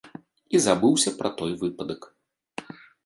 І забыўся пра той выпадак.